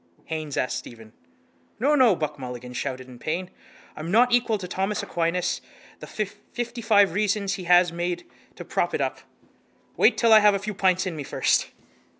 Haines asked Stephen. —No, no, Buck Mulligan shouted in pain. I'm not equal to Thomas Aquinas and the fiftyfive reasons he has made out to prop it up. Wait till I have a few pints in me first.